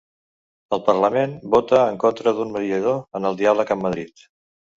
El parlament vota en contra d'un mediador en el diàleg amb Madrid